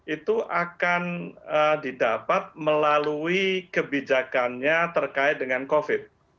itu akan didapat melalui kebijakannya terkait dengan covid